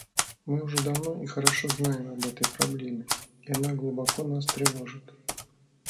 Мы уже давно и хорошо знаем об этой проблеме, и она глубоко нас тревожит.